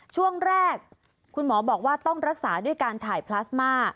ช่วงแรกคุณหมอบอกว่าต้องรักษาด้วยการถ่ายพลาสมา